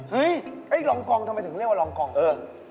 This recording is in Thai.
เฮ้ยรองกองทำไมถึงเรียกว่ารองกองเอิ้ง